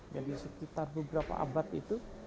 jadi sekitar beberapa abad itu